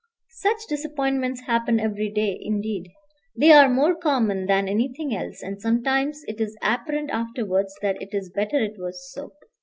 Such disappointments happen every day; indeed, they are more common than anything else, and sometimes it is apparent afterwards that it is better it was so.